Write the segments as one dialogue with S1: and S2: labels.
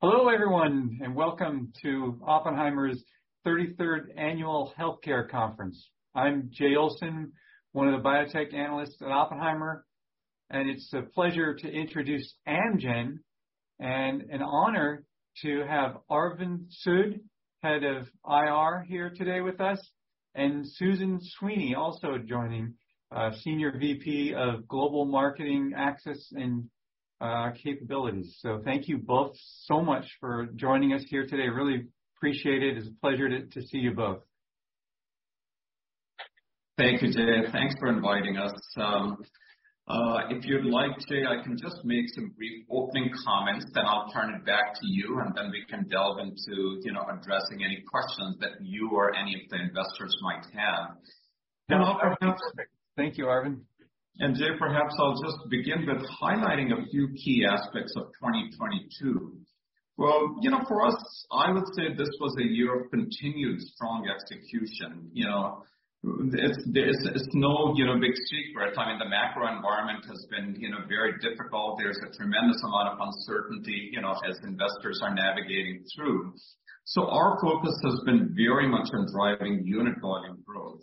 S1: Hello everyone and welcome to Oppenheimer's 33rd Annual Healthcare Conference. I'm Jay Olson, one of the Biotech analysts at Oppenheimer, and it's a pleasure to introduce Amgen and an honor to have Arvind Sood, Head of IR here today with us, and Susan Sweeney also joining, Senior VP of Global Marketing Access and Capabilities. Thank you both so much for joining us here today. Really appreciate it. It's a pleasure to see you both.
S2: Thank you, Jay. Thanks for inviting us. If you'd like to, I can just make some brief opening comments, then I'll turn it back to you, and then we can delve into, you know, addressing any questions that you or any of the investors might have.
S1: That's perfect. Thank you, Arvind.
S2: Jay, perhaps I'll just begin with highlighting a few key aspects of 2022. Well, you know, for us, I would say this was a year of continued strong execution. You know, it's no, you know, big secret. I mean, the macro environment has been, you know, very difficult. There's a tremendous amount of uncertainty, you know, as investors are navigating through. Our focus has been very much on driving unit volume growth.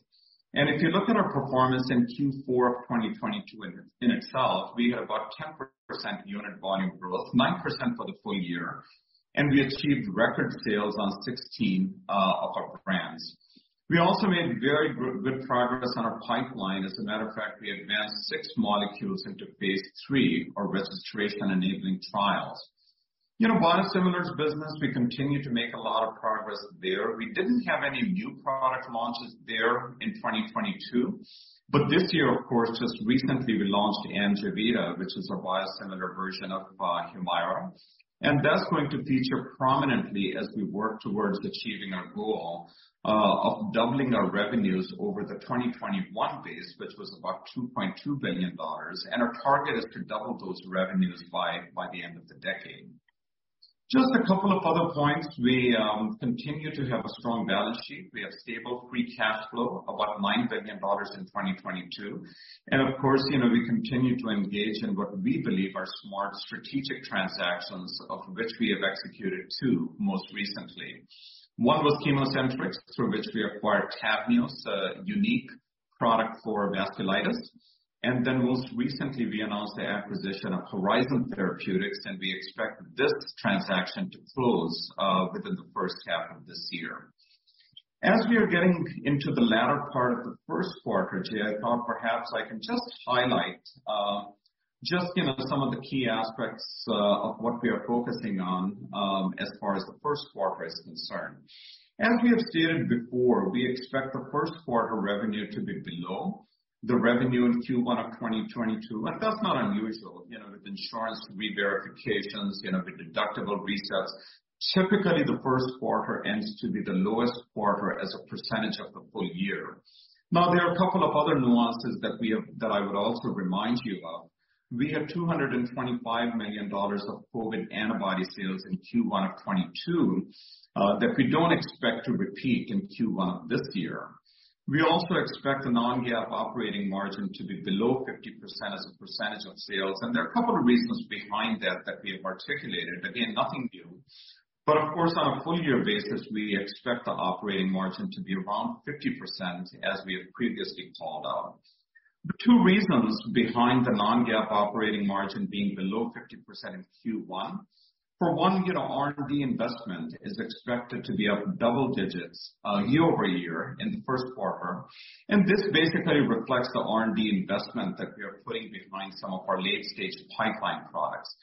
S2: If you look at our performance in Q4 of 2022 in itself, we had about 10% unit volume growth, 9% for the full year, and we achieved record sales on 16 of our brands. We also made very good progress on our pipeline. As a matter of fact, we advanced six molecules into phase III or registration-enabling trials. You know, biosimilars business, we continue to make a lot of progress there. This year, of course, just recently we launched AMJEVITA, which is our biosimilar version of Humira. That's going to feature prominently as we work towards achieving our goal of doubling our revenues over the 2021 base, which was about $2.2 billion. Our target is to double those revenues by the end of the decade. Just a couple of other points. We continue to have a strong balance sheet. We have stable free cash flow, about $9 billion in 2022. Of course, you know, we continue to engage in what we believe are smart strategic transactions, of which we have executed two most recently. One was ChemoCentryx, through which we acquired TAVNEOS, a unique product for vasculitis. Most recently, we announced the acquisition of Horizon Therapeutics, and we expect this transaction to close within the first half of this year. As we are getting into the latter part of the first quarter, Jay, I thought perhaps I can just highlight, you know, some of the key aspects of what we are focusing on as far as the first quarter is concerned. As we have stated before, we expect the first quarter revenue to be below the revenue in Q1 of 2022, and that's not unusual. You know, with insurance re-verifications, you know, the deductible resets. Typically, the first quarter ends to be the lowest quarter as a percentage of the full year. There are a couple of other nuances that I would also remind you of. We have $225 million of COVID antibody sales in Q1 of 2022 that we don't expect to repeat in Q1 this year. We also expect the non-GAAP operating margin to be below 50% as a percentage of sales, and there are a couple of reasons behind that that we have articulated. Again, nothing new. Of course, on a full year basis, we expect the operating margin to be around 50% as we have previously called out. The two reasons behind the non-GAAP operating margin being below 50% in Q1. For one, you know, R&D investment is expected to be up double digits year-over-year in the first quarter. This basically reflects the R&D investment that we are putting behind some of our late-stage pipeline products.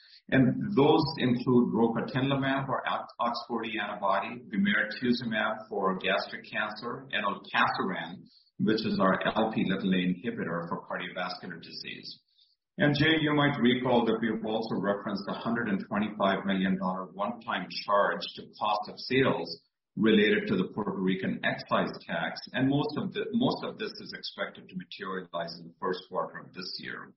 S2: Those include rocatinlimab, our OX40 antibody, bemarituzumab for gastric cancer, and olpasiran, which is our Lp(a) inhibitor for cardiovascular disease. Jay, you might recall that we have also referenced a $125 million one-time charge to cost of sales related to the Puerto Rican excise tax, and most of this is expected to materialize in the first quarter of this year.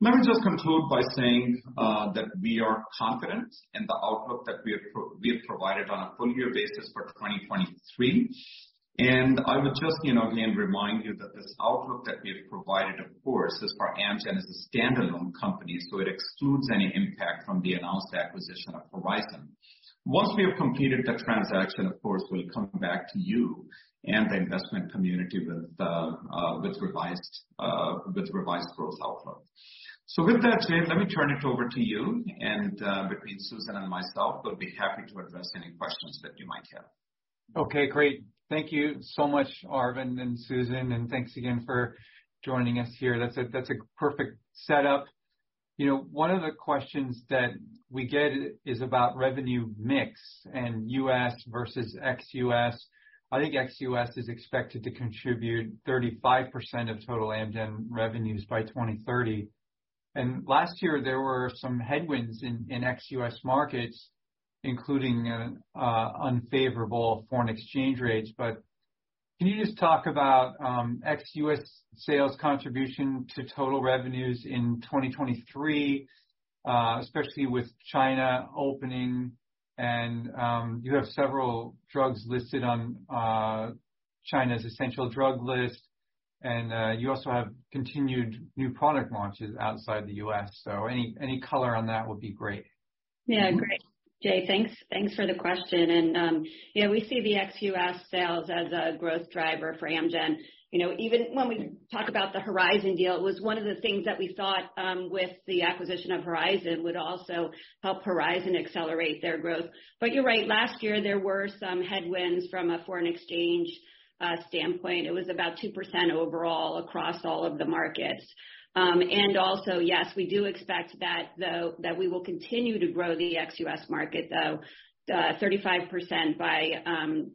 S2: Let me just conclude by saying that we are confident in the outlook that we have provided on a full year basis for 2023. I would just, you know, again, remind you that this outlook that we have provided, of course, is for Amgen as a standalone company, so it excludes any impact from the announced acquisition of Horizon. Once we have completed that transaction, of course, we'll come back to you and the investment community with revised growth outlook. With that, Jay, let me turn it over to you and, between Susan and myself, we'll be happy to address any questions that you might have.
S1: Okay, great. Thank you so much, Arvind and Susan, thanks again for joining us here. That's a perfect setup. You know, one of the questions that we get is about revenue mix and U.S. versus ex-U.S. I think ex-U.S. is expected to contribute 35% of total Amgen revenues by 2030. Last year there were some headwinds in ex-U.S. markets, including unfavorable foreign exchange rates. Can you just talk about ex-U.S. sales contribution to total revenues in 2023, especially with China opening, and you have several drugs listed on China's essential drug list, and you also have continued new product launches outside the U.S. Any color on that would be great.
S3: Yeah, great. Jay, thanks for the question. Yeah, we see the ex-U.S. sales as a growth driver for Amgen. You know, even when we talk about the Horizon deal, it was one of the things that we thought with the acquisition of Horizon, would also help Horizon accelerate their growth. You're right. Last year, there were some headwinds from a foreign exchange standpoint. It was about 2% overall across all of the markets. Also, yes, we do expect that, though, that we will continue to grow the ex-U.S. market, though, 35% by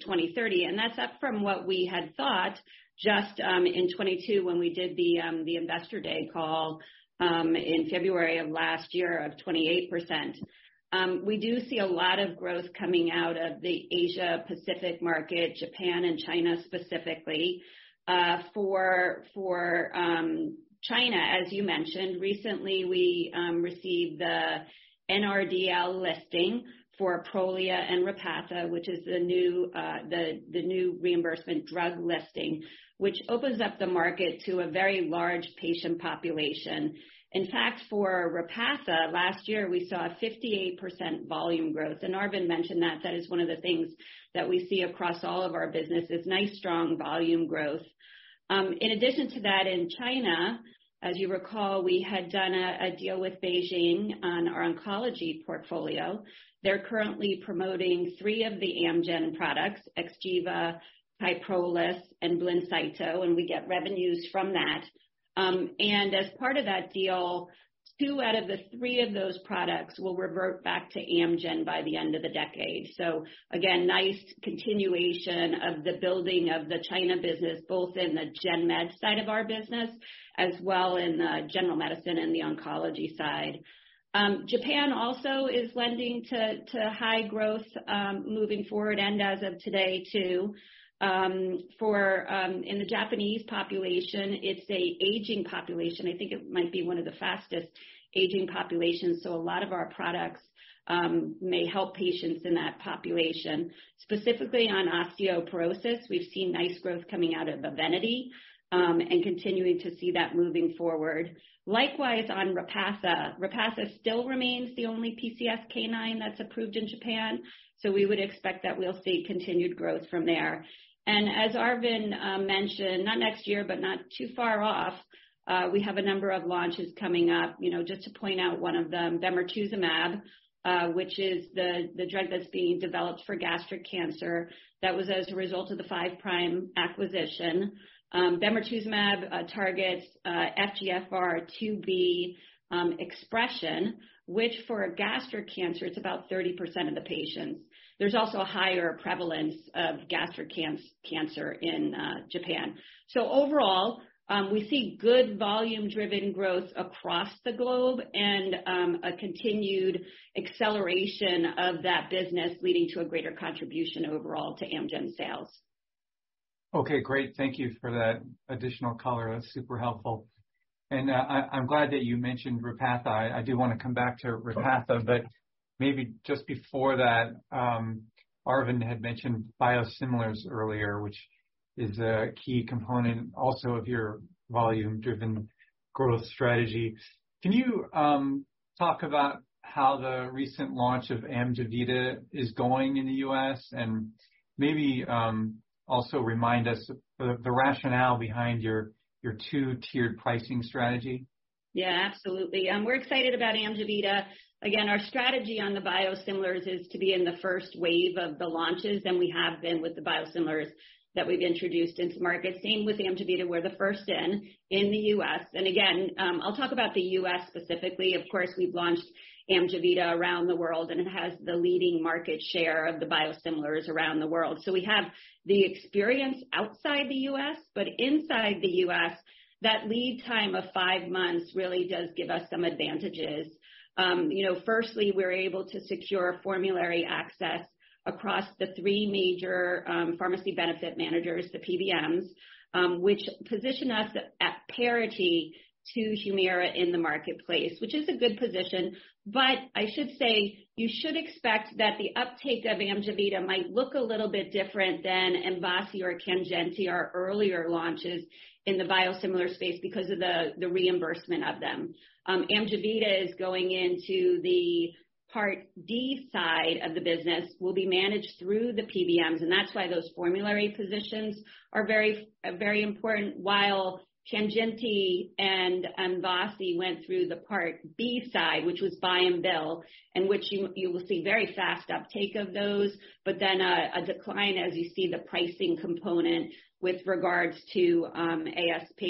S3: 2030, and that's up from what we had thought just in 2022 when we did the investor day call in February of last year of 28%. We do see a lot of growth coming out of the Asia Pacific market, Japan and China specifically. For China, as you mentioned, recently we received the NRDL listing for Prolia and Repatha, which is the new reimbursement drug listing, which opens up the market to a very large patient population. In fact, for Repatha, last year we saw a 58% volume growth, and Arvind mentioned that that is one of the things that we see across all of our business is nice, strong volume growth. In addition to that, in China, as you recall, we had done a deal with BeiGene on our oncology portfolio. They're currently promoting three of the Amgen products, XGEVA, Kyprolis, and Blincyto, and we get revenues from that. As part of that deal, two out of the three of those products will revert back to Amgen by the end of the decade. Again, nice continuation of the building of the China business, both in the Gen Med side of our business, as well in the General Medicine and the oncology side. Japan also is lending to high growth, moving forward, and as of today too. In the Japanese population, it's a aging population. I think it might be one of the fastest aging populations, so a lot of our products may help patients in that population. Specifically on osteoporosis, we've seen nice growth coming out of EVENITY, and continuing to see that moving forward. Likewise, on Repatha. Repatha still remains the only PCSK9 that's approved in Japan, we would expect that we'll see continued growth from there. As Arvind mentioned, not next year, but not too far off, we have a number of launches coming up. You know, just to point out one of them, Vemurafenib, which is the drug that's being developed for gastric cancer. That was as a result of the Five Prime acquisition. Bemarituzumab targets FGFR2b expression, which for gastric cancer, it's about 30% of the patients. There's also a higher prevalence of gastric cancer in Japan. Overall, we see good volume-driven growth across the globe and a continued acceleration of that business leading to a greater contribution overall to Amgen sales.
S1: Okay, great. Thank you for that additional color. That's super helpful. I'm glad that you mentioned Repatha. I do wanna come back to Repatha, but maybe just before that, Arvind had mentioned biosimilars earlier, which is a key component also of your volume-driven growth strategy. Can you talk about how the recent launch of AMJEVITA is going in the U.S., and maybe also remind us the rationale behind your two-tiered pricing strategy?
S3: Yeah, absolutely. We're excited about AMJEVITA. Again, our strategy on the biosimilars is to be in the first wave of the launches, and we have been with the biosimilars that we've introduced into market. Same with AMJEVITA. We're the first in the U.S. I'll talk about the U.S. specifically. Of course, we've launched AMJEVITA around the world, and it has the leading market share of the biosimilars around the world. We have the experience outside the U.S., but inside the U.S., that lead time of five months really does give us some advantages. You know, firstly, we're able to secure formulary access across the three major pharmacy benefit managers, the PBMs, which position us at parity to Humira in the marketplace, which is a good position. I should say you should expect that the uptake of AMJEVITA might look a little bit different than AMVASI or KANJINTI, our earlier launches in the biosimilar space because of the reimbursement of them. AMJEVITA is going into the Part D side of the business, will be managed through the PBMs, and that's why those formulary positions are very important, while KANJINTI and AMVASI went through the Part B side, which was buy and bill, in which you will see very fast uptake of those, but then a decline as you see the pricing component with regards to ASP.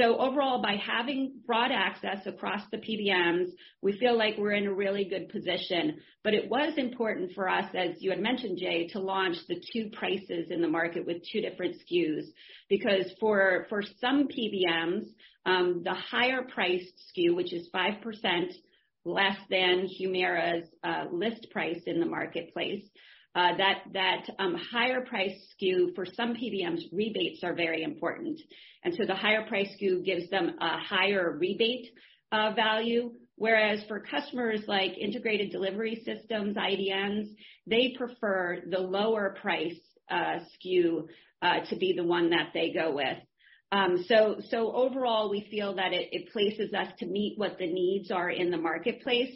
S3: Overall, by having broad access across the PBMs, we feel like we're in a really good position. It was important for us, as you had mentioned, Jay, to launch the two prices in the market with two different SKUs. Because for some PBMs, the higher priced SKU, which is 5% less than Humira's list price in the marketplace, that higher priced SKU for some PBMs rebates are very important. The higher priced SKU gives them a higher rebate value. Whereas for customers like integrated delivery systems, IDNs, they prefer the lower price SKU to be the one that they go with. So overall, we feel that it places us to meet what the needs are in the marketplace.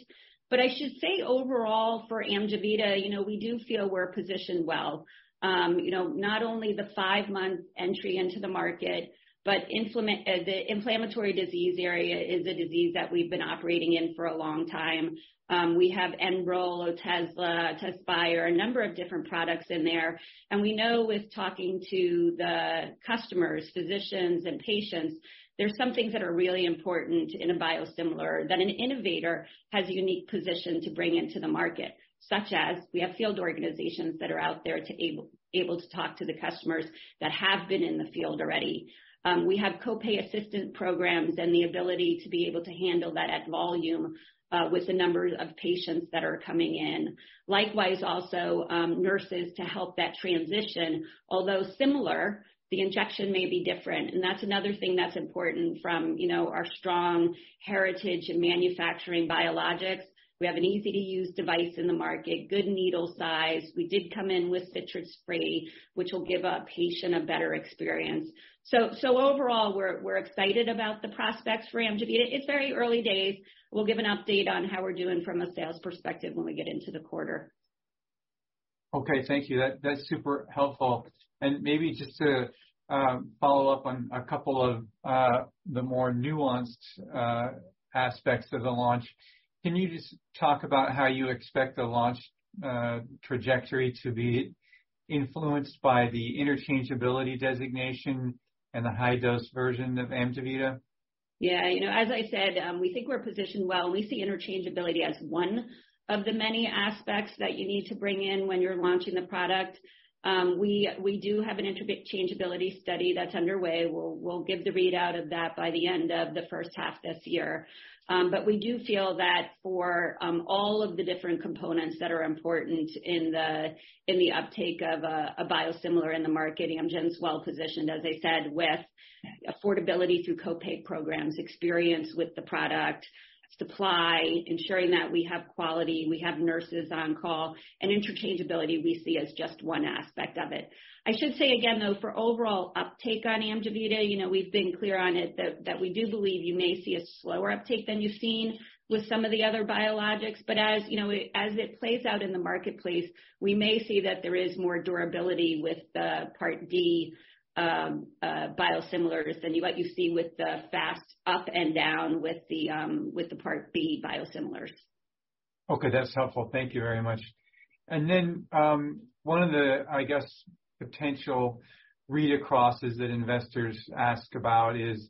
S3: I should say overall for AMJEVITA, you know, we do feel we're positioned well. You know, not only the five-month entry into the market, but the inflammatory disease area is a disease that we've been operating in for a long time. We have Enbrel, Otezla, Tezspire, a number of different products in there. We know with talking to the customers, physicians and patients, there's some things that are really important in a biosimilar that an innovator has a unique position to bring into the market, such as we have field organizations that are out there able to talk to the customers that have been in the field already. We have co-pay assistance programs and the ability to be able to handle that at volume with the number of patients that are coming in. Likewise, also, nurses to help that transition, although similar, the injection may be different. That's another thing that's important from, you know, our strong heritage in manufacturing biologics. We have an easy-to-use device in the market, good needle size. We did come in with featured spray, which will give a patient a better experience. Overall, we're excited about the prospects for AMJEVITA. It's very early days. We'll give an update on how we're doing from a sales perspective when we get into the quarter.
S1: Okay. Thank you. That's super helpful. Maybe just to follow up on a couple of the more nuanced aspects of the launch, can you just talk about how you expect the launch trajectory to be influenced by the interchangeability designation and the high-dose version of AMJEVITA?
S3: Yeah. You know, as I said, we think we're positioned well. We see interchangeability as one of the many aspects that you need to bring in when you're launching the product. We do have an interchangeability study that's underway. We'll give the readout of that by the end of the first half this year. We do feel that for all of the different components that are important in the uptake of a biosimilar in the market, Amgen's well-positioned, as I said, with affordability through co-pay programs, experience with the product, supply, ensuring that we have quality, we have nurses on call, and interchangeability we see as just one aspect of it. I should say again, though, for overall uptake on AMJEVITA, you know, we've been clear on it that we do believe you may see a slower uptake than you've seen with some of the other biologics. As you know, as it plays out in the marketplace, we may see that there is more durability with the Part D biosimilars than what you see with the fast up and down with the Part B biosimilars.
S1: Okay, that's helpful. Thank you very much. One of the, I guess, potential read-acrosses that investors ask about is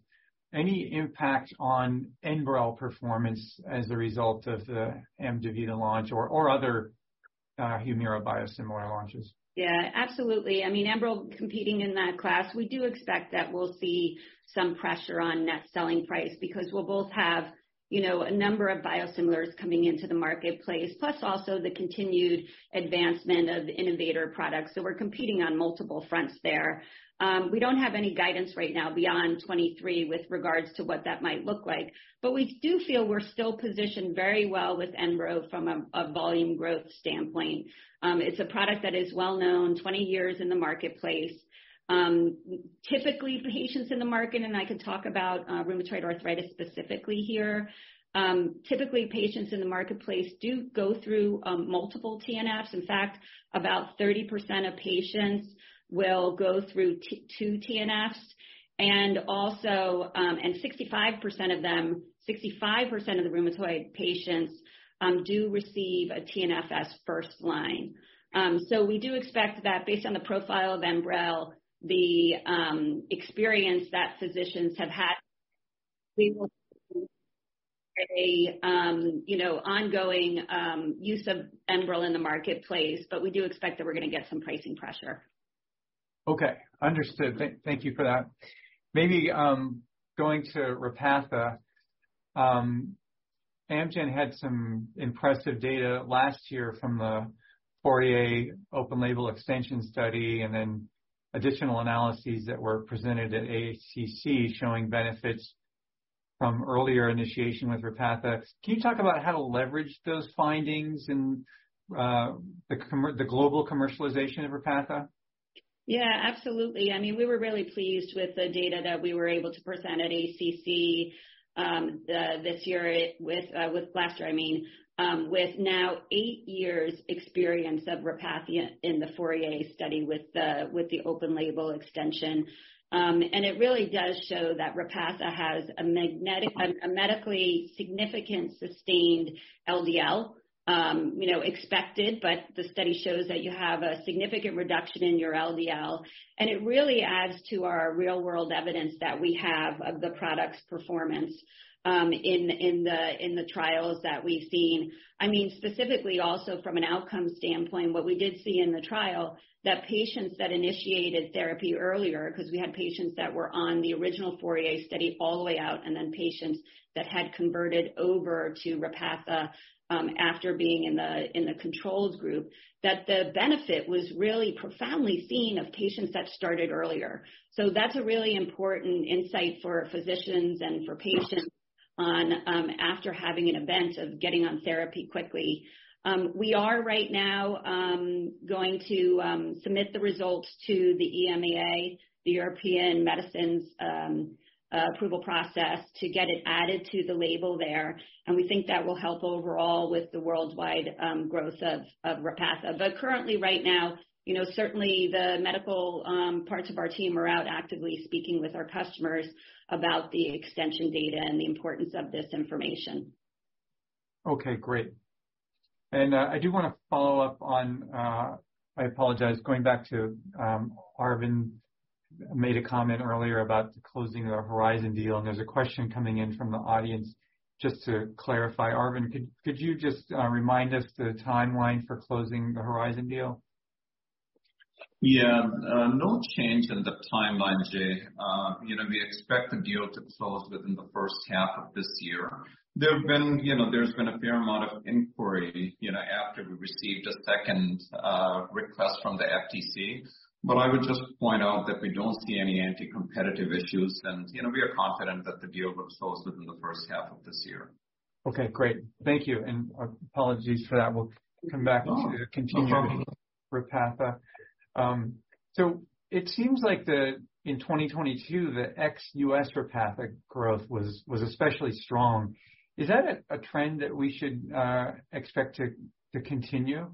S1: any impact on Enbrel performance as a result of the AMJEVITA launch or other Humira biosimilar launches?
S3: Yeah, absolutely. I mean, Enbrel competing in that class, we do expect that we'll see some pressure on net selling price because we'll both have, you know, a number of biosimilars coming into the marketplace, plus also the continued advancement of the innovator products. We're competing on multiple fronts there. We don't have any guidance right now beyond 2023 with regards to what that might look like. We do feel we're still positioned very well with Enbrel from a volume growth standpoint. It's a product that is well known, 20 years in the marketplace. Typically patients in the market, and I could talk about, rheumatoid arthritis specifically here. Typically patients in the marketplace do go through, multiple TNFs. In fact, about 30% of patients will go through two TNFs and also, and 65% of them, 65% of the rheumatoid patients do receive a TNF as first line. So we do expect that based on the profile of Enbrel, the experience that physicians have had, we will, you know, ongoing use of Enbrel in the marketplace, but we do expect that we're gonna get some pricing pressure.
S1: Okay. Understood. Thank you for that. Maybe, going to Repatha. Amgen had some impressive data last year from the FOURIER open label extension study and then additional analyses that were presented at ACC showing benefits from earlier initiation with Repatha. Can you talk about how to leverage those findings and the global commercialization of Repatha?
S3: Yeah, absolutely. I mean, we were really pleased with the data that we were able to present at ACC this year with last year, I mean, with now eight years experience of Repatha in the FOURIER study with the open label extension. It really does show that Repatha has a medically significant sustained LDL, you know, expected, but the study shows that you have a significant reduction in your LDL. It really adds to our real-world evidence that we have of the product's performance in the trials that we've seen. I mean, specifically also from an outcome standpoint, what we did see in the trial that patients that initiated therapy earlier, 'cause we had patients that were on the original FOURIER study all the way out, and then patients that had converted over to Repatha, after being in the controls group, that the benefit was really profoundly seen of patients that started earlier. That's a really important insight for physicians and for patients on, after having an event of getting on therapy quickly. We are right now, going to submit the results to the EMA, the European Medicines approval process, to get it added to the label there. We think that will help overall with the worldwide growth of Repatha. Currently right now, you know, certainly the medical parts of our team are out actively speaking with our customers about the extension data and the importance of this information.
S1: Okay, great. I do wanna follow up on, I apologize, going back to, Arvind made a comment earlier about closing the Horizon deal, and there's a question coming in from the audience. Just to clarify, Arvind, could you just remind us the timeline for closing the Horizon deal?
S2: Yeah. No change in the timeline, Jay. You know, we expect the deal to close within the first half of this year. There have been, you know, there's been a fair amount of inquiry, you know, after we received a second request from the FTC. I would just point out that we don't see any anti-competitive issues and, you know, we are confident that the deal will close within the first half of this year.
S1: Okay, great. Thank you, and apologies for that. We'll come back to continue Repatha. It seems like the, in 2022, the ex-U.S. Repatha growth was especially strong. Is that a trend that we should expect to continue?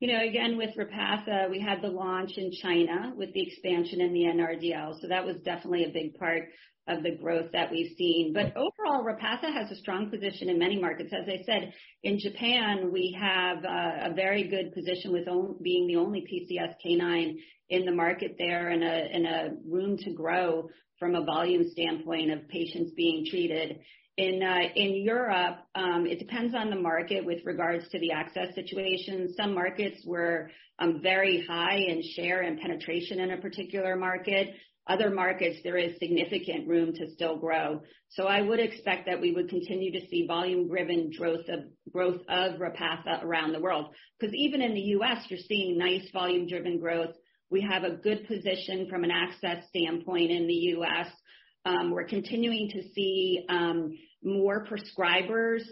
S3: You know, again, with Repatha, we had the launch in China with the expansion in the NRDL, so that was definitely a big part of the growth that we've seen. Overall, Repatha has a strong position in many markets. As I said, in Japan, we had a very good position with being the only PCSK9 in the market there and a room to grow from a volume standpoint of patients being treated. In Europe, it depends on the market with regards to the access situation. Some markets were very high in share and penetration in a particular market. Other markets, there is significant room to still grow. I would expect that we would continue to see volume-driven growth of Repatha around the world, 'cause even in the U.S., you're seeing nice volume-driven growth. We have a good position from an access standpoint in the U.S. We're continuing to see more prescribers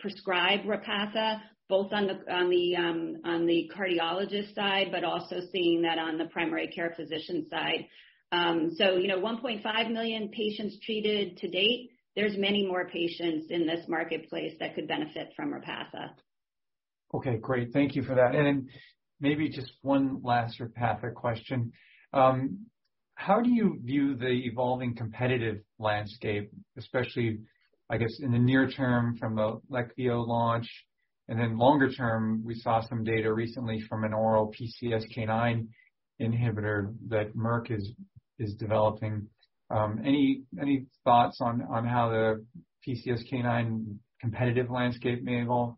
S3: prescribe Repatha, both on the cardiologist side, but also seeing that on the primary care physician side. You know, 1.5 million patients treated to date. There's many more patients in this marketplace that could benefit from Repatha.
S1: Okay, great. Thank you for that. Maybe just one last Repatha question. How do you view the evolving competitive landscape, especially, I guess, in the near term from the Leqvio launch? Longer term, we saw some data recently from an oral PCSK9 inhibitor that Merck is developing. Any, any thoughts on how the PCSK9 competitive landscape may evolve?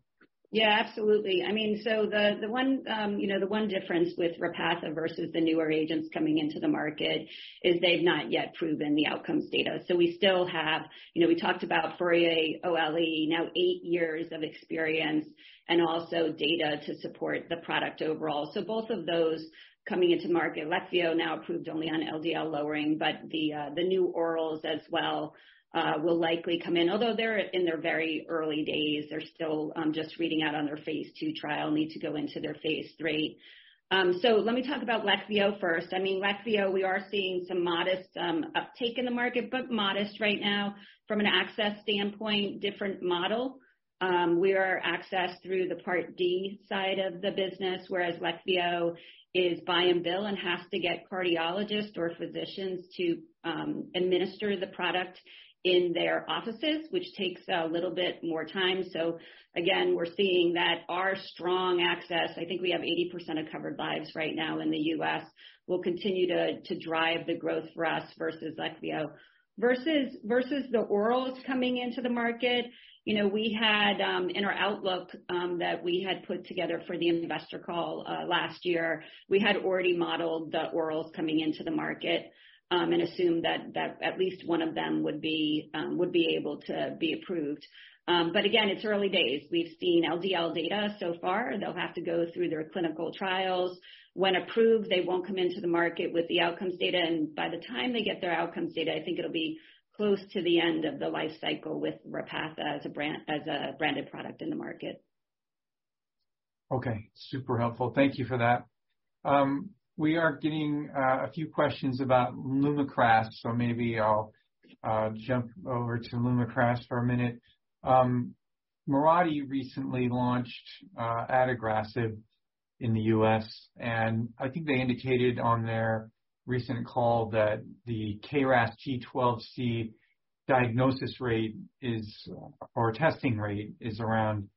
S3: Yeah, absolutely. I mean, the one, you know, the one difference with Repatha versus the newer agents coming into the market is they've not yet proven the outcomes data. We still have. You know, we talked about FOURIER-OLE, now eight years of experience and also data to support the product overall. Leqvio now approved only on LDL lowering, the new orals as well will likely come in. Although they're in their very early days. They're still just reading out on their phase II trial, need to go into their phase III. Let me talk about Leqvio first. Leqvio, we are seeing some modest uptake in the market, modest right now. From an access standpoint, different model. We are accessed through the Part D side of the business, whereas Leqvio is buy and bill and has to get cardiologists or physicians to administer the product in their offices, which takes a little bit more time. Again, we're seeing that our strong access, I think we have 80% of covered lives right now in the U.S., will continue to drive the growth for us versus Leqvio. Versus the orals coming into the market, you know, we had in our outlook that we had put together for the investor call last year, we had already modeled the orals coming into the market and assumed that at least one of them would be able to be approved. Again, it's early days. We've seen LDL data so far. They'll have to go through their clinical trials. When approved, they won't come into the market with the outcomes data, and by the time they get their outcomes data, I think it'll be close to the end of the life cycle with Repatha as a brand, as a branded product in the market.
S1: Okay, super helpful. Thank you for that. We are getting a few questions about Lumakras. Maybe I'll jump over to Lumakras for a minute. Mirati recently launched Adagrasib in the U.S. I think they indicated on their recent call that the KRAS G12C diagnosis rate or testing rate is around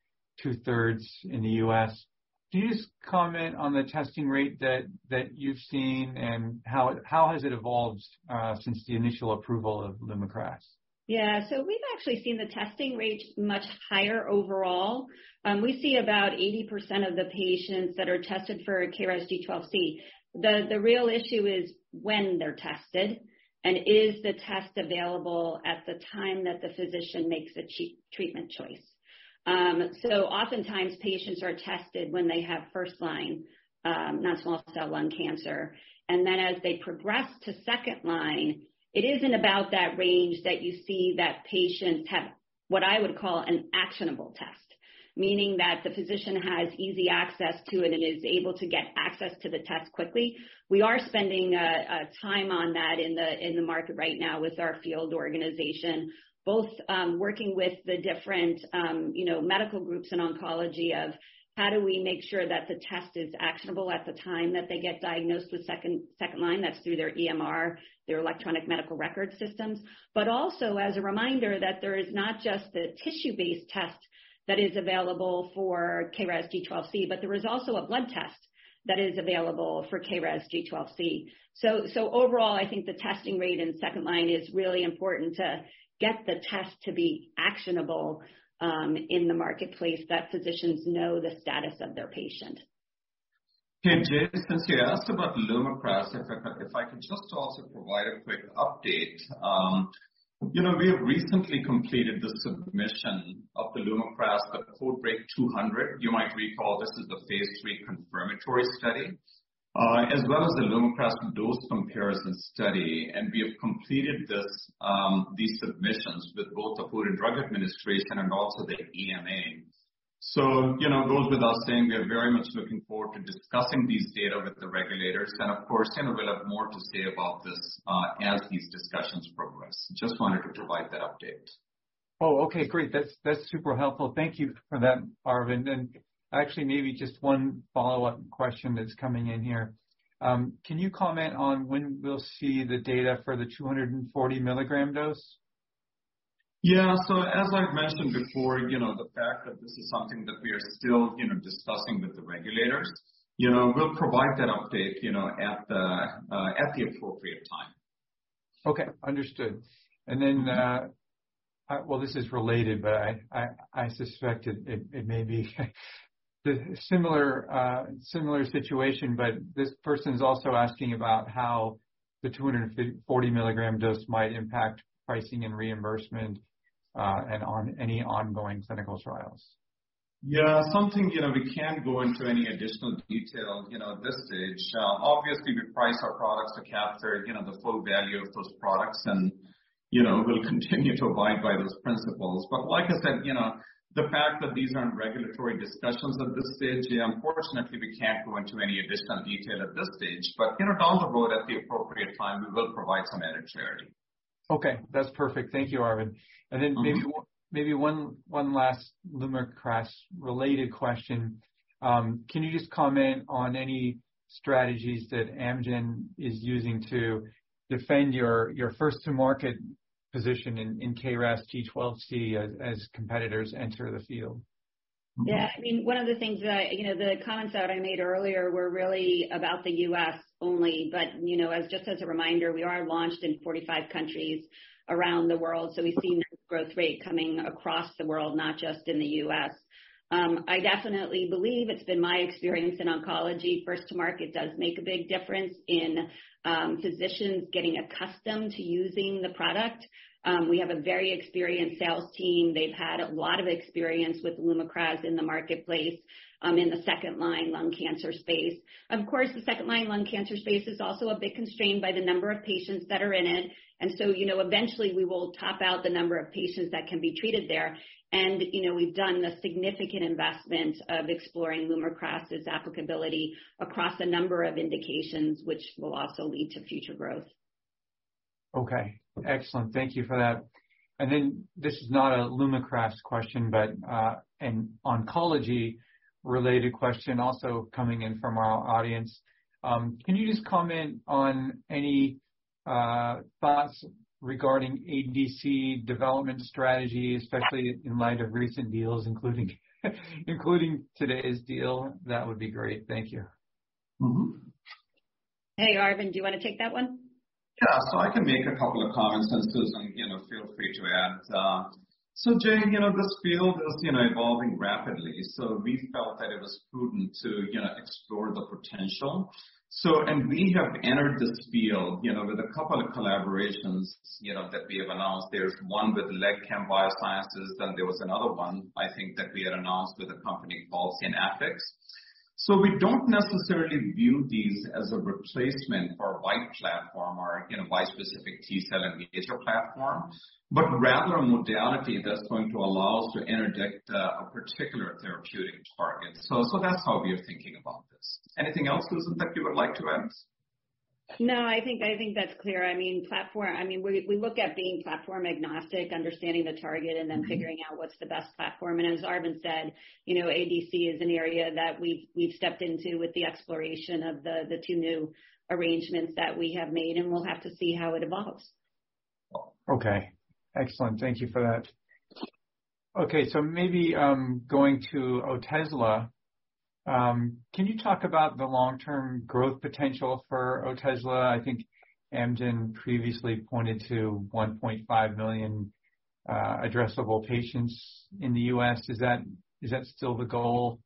S1: two-thirds in the U.S. Can you just comment on the testing rate that you've seen, and how has it evolved since the initial approval of Lumakras?
S3: We've actually seen the testing rates much higher overall. We see about 80% of the patients that are tested for KRAS G12C. The real issue is when they're tested and is the test available at the time that the physician makes a treatment choice. Oftentimes patients are tested when they have first-line non-small cell lung cancer, and then as they progress to second line, it isn't about that range that you see that patients have what I would call an actionable test, meaning that the physician has easy access to and is able to get access to the test quickly. We are spending time on that in the market right now with our field organization, both working with the different, you know, medical groups in oncology of how do we make sure that the test is actionable at the time that they get diagnosed with second line. That's through their EMR, their electronic medical record systems. Also as a reminder that there is not just the tissue-based test that is available for KRAS G12C, but there is also a blood test that is available for KRAS G12C. Overall, I think the testing rate in second line is really important to get the test to be actionable in the marketplace that physicians know the status of their patient.
S2: Hey, Jay, since you asked about Lumakras, if I could just also provide a quick update. you know, we have recently completed the submission of the Lumakras, the CodeBreaK 200. You might recall this is the phase III confirmatory study, as well as the Lumakras dose comparison study. We have completed this, these submissions with both the Food and Drug Administration and also the EMA. You know, goes without saying, we are very much looking forward to discussing these data with the regulators. Of course, you know, we'll have more to say about this, as these discussions progress. Just wanted to provide that update.
S1: Oh, okay. Great. That's super helpful. Thank you for that, Arvind. Actually, maybe just one follow-up question that's coming in here. Can you comment on when we'll see the data for the 240 mg dose?
S2: Yeah. As I've mentioned before, you know, the fact that this is something that we are still, you know, discussing with the regulators. You know, we'll provide that update, you know, at the appropriate time.
S1: Okay, understood. Well, this is related, but I suspect it may be similar situation, but this person's also asking about how the 240 mg dose might impact pricing and reimbursement, and on any ongoing clinical trials.
S2: Something, you know, we can't go into any additional detail, you know, at this stage. Obviously we price our products to capture, you know, the full value of those products and, you know, we'll continue to abide by those principles. Like I said, you know, the fact that these are in regulatory discussions at this stage, unfortunately we can't go into any additional detail at this stage. You know, down the road at the appropriate time, we will provide some added clarity.
S1: Okay. That's perfect. Thank you, Arvind. Then maybe one last Lumakras related question. Can you just comment on any strategies that Amgen is using to defend your first-to-market position in KRAS G12C as competitors enter the field?
S3: Yeah. I mean, one of the things that, you know, the comments that I made earlier were really about the U.S. only. You know, as just as a reminder, we are launched in 45 countries around the world, so we've seen growth rate coming across the world, not just in the U.S. I definitely believe it's been my experience in oncology, first to market does make a big difference in physicians getting accustomed to using the product. We have a very experienced sales team. They've had a lot of experience with Lumakras in the marketplace, in the second line lung cancer space. Of course, the second line lung cancer space is also a bit constrained by the number of patients that are in it. You know, eventually we will top out the number of patients that can be treated there, you know, we've done a significant investment of exploring Lumakras' applicability across a number of indications which will also lead to future growth.
S1: Okay. Excellent. Thank you for that. This is not a Lumakras question, but an oncology related question also coming in from our audience. Can you just comment on any thoughts regarding ADC development strategy, especially in light of recent deals, including today's deal? That would be great. Thank you.
S3: Hey, Arvind, do you wanna take that one?
S2: Yeah. I can make a couple of comments, and Susan, you know, feel free to add. Jay, you know, this field is, you know, evolving rapidly, so we felt that it was prudent to, you know, explore the potential. And we have entered this field, you know, with a couple of collaborations, you know, that we have announced. There's one with LegoChem Biosciences, then there was another one, I think, that we had announced with a company called Synthekine. We don't necessarily view these as a replacement for a BiTE platform or, you know, Bispecific T-cell engager platform, but rather a modality that's going to allow us to interdict a particular therapeutic target. So that's how we are thinking about this. Anything else, Susan, that you would like to add?
S3: No, I think that's clear. I mean, we look at being platform-agnostic, understanding the target, and then figuring out what's the best platform. As Arvind said, you know, ADC is an area that we've stepped into with the exploration of the two new arrangements that we have made, and we'll have to see how it evolves.
S1: Okay. Excellent. Thank you for that. Okay, maybe going to Otezla, can you talk about the long-term growth potential for Otezla? I think Amgen previously pointed to 1.5 million addressable patients in the U.S. Is that still the goal?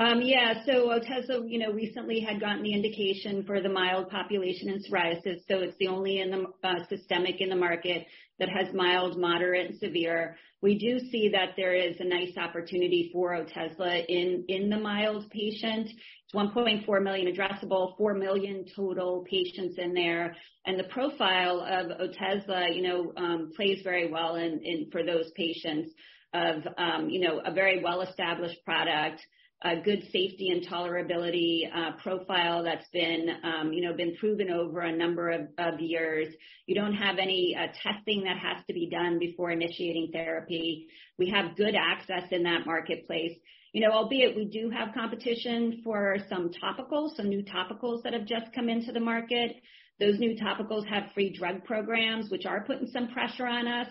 S3: Yeah. Otezla, you know, recently had gotten the indication for the mild population in psoriasis. It's the only in the systemic in the market that has mild, moderate, and severe. We do see that there is a nice opportunity for Otezla in the mild patient. It's 1.4 million addressable, 4 million total patients in there. The profile of Otezla, you know, plays very well in for those patients of, you know, a very well-established product, a good safety and tolerability profile that's been, you know, been proven over a number of years. You don't have any testing that has to be done before initiating therapy. We have good access in that marketplace. You know, albeit we do have competition for some topicals, some new topicals that have just come into the market. Those new topicals have free drug programs, which are putting some pressure on us.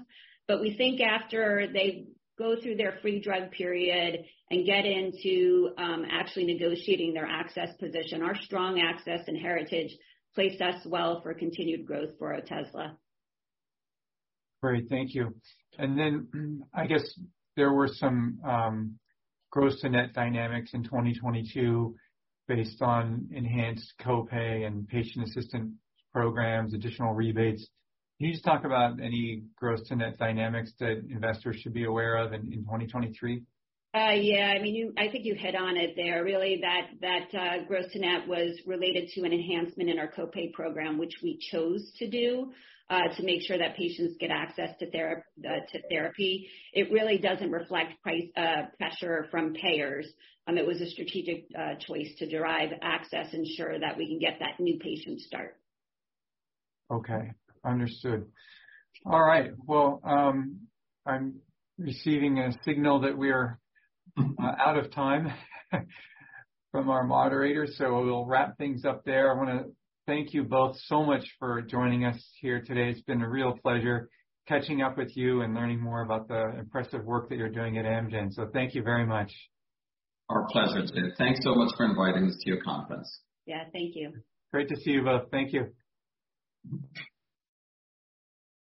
S3: We think after they go through their free drug period and get into, actually negotiating their access position, our strong access and heritage place us well for continued growth for Otezla.
S1: Great. Thank you. Then I guess there were some gross to net dynamics in 2022 based on enhanced co-pay and patient assistance programs, additional rebates. Can you just talk about any gross to net dynamics that investors should be aware of in 2023?
S3: Yeah. I mean, I think you hit on it there, really, gross to net was related to an enhancement in our co-pay program, which we chose to do to make sure that patients get access to therapy. It really doesn't reflect price pressure from payers. It was a strategic choice to derive access, ensure that we can get that new patient start.
S1: Okay. Understood. All right. Well, I'm receiving a signal that we're out of time from our moderators, so we'll wrap things up there. I wanna thank you both so much for joining us here today. It's been a real pleasure catching up with you and learning more about the impressive work that you're doing at Amgen. Thank you very much.
S2: Our pleasure, Jay. Thanks so much for inviting us to your conference.
S3: Yeah. Thank you.
S1: Great to see you both. Thank you.